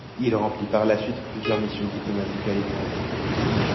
Il remplit par la suite plusieurs missions diplomatiques à l’étranger.